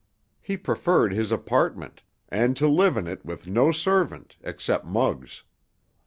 He preferred his apartment, and to live in it with no servant except Muggs.